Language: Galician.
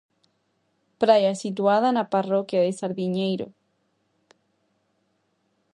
Praia situada na parroquia de Sardiñeiro.